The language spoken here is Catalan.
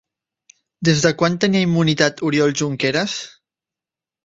Des de quan tenia immunitat Oriol Junqueras?